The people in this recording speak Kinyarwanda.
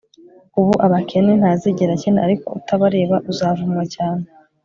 uha abakene ntazigera akena ariko utabareba azavumwa cyane